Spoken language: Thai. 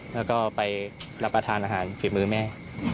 แล้วก็ไปรับประทานอาหารฝีมือแม่